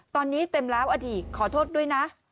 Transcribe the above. ตอนนี้เต็มแล้วอดีตขอโทษด้วยนะ